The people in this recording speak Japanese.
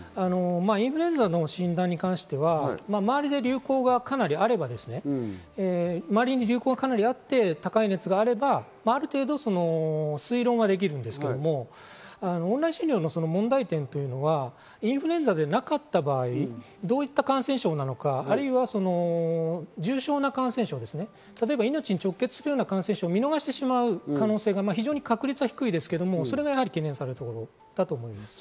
インフルエンザの診断に関しては、周りで流行がかなりあれば、また高い熱があれば、ある程度、推論もできるんですけれども、オンライン診療の問題点というのは、インフルエンザでなかった場合、どういった感染症なのか、あるいは重症な感染症、例えば命に直結した感染症を見逃してしまう可能性が確率は低いですけれども懸念されます。